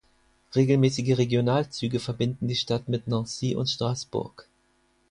Regelmäßige Regionalzüge verbinden die Stadt mit Nancy und Straßburg.